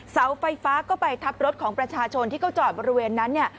เสาไฟฟ้าก็ไปทับรถของประชาชนที่เขาจอดบริเวณนั้น